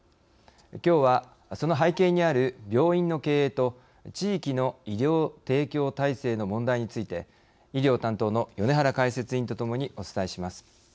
きょうはその背景にある病院の経営と地域の医療提供体制の問題について医療担当の米原解説委員とともにお伝えします。